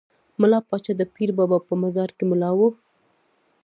ملا پاچا د پیر بابا په مزار کې ملا وو.